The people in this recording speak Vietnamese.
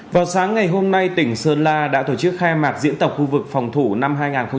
vào sáng ngày hôm nay tỉnh sơn la đã tổ chức khai mạc diễn tập khu vực phòng thủ năm hai nghìn hai mươi